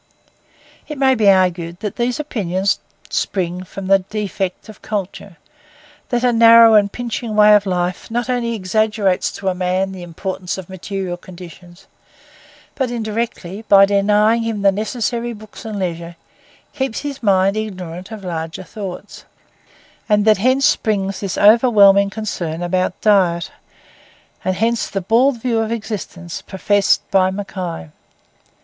It may be argued that these opinions spring from the defect of culture; that a narrow and pinching way of life not only exaggerates to a man the importance of material conditions, but indirectly, by denying him the necessary books and leisure, keeps his mind ignorant of larger thoughts; and that hence springs this overwhelming concern about diet, and hence the bald view of existence professed by Mackay.